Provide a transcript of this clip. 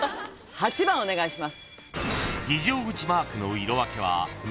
８番お願いします。